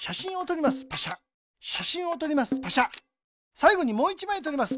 さいごにもう１まいとります。